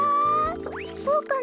そそうかな？